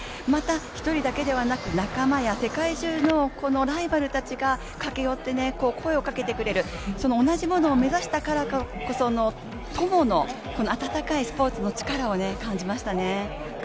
また１人だけではなく仲間や世界中のライバルたちが駆け寄って、声をかけてくれる同じものを目指したからこその、友の温かいスポーツのチカラを感じましたね。